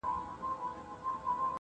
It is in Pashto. • د حق وینا یمه دوا غوندي ترخه یمه زه,